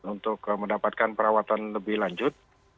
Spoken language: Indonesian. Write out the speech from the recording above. untuk mendapatkan perawatan lebih lanjut